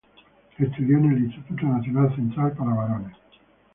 Estudió en el Instituto Nacional Central para Varones.